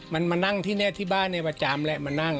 มันมานั่งที่นี่ที่บ้านในประจำแหละมานั่ง